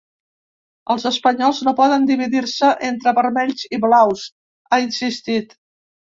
Els espanyols no poden dividir-se entre vermells i blaus, ha insistit.